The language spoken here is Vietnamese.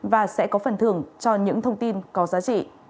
và sẽ có phần thưởng cho những thông tin có giá trị